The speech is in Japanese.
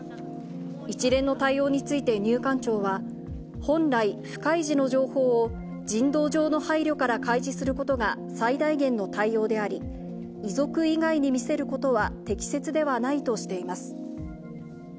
一連の対応について入管庁は、本来、不開示の情報を人道上の配慮から開示することが最大限の対応であり、遺族以外に見せることは適切ではないとしています。